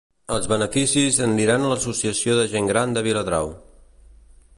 Els beneficis aniran a l'Associació de Gent Gran de Viladrau.